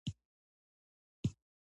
د ښکلا او حيا د محافظت مانا ترې را وباسي.